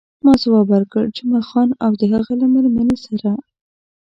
ما ځواب ورکړ، جمعه خان او د هغه له میرمنې سره.